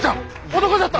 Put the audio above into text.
男じゃった！